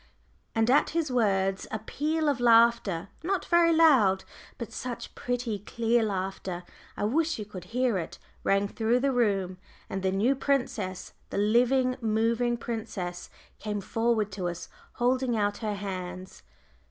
And at his words a peal of laughter not very loud, but such pretty clear laughter, I wish you could hear it! rang through the room, and the new princess, the living, moving princess, came forward to us, holding out her hands.